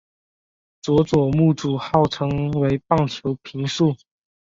佐佐木主浩成为棒球评述。